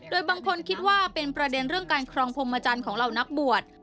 โดยบางคนคิดว่าเป็นประเด็นเรื่องการครองพรมจันทร์ของเหล่านักบวช